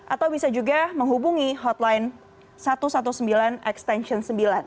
atau bisa juga menghubungi hotline satu ratus sembilan belas extension sembilan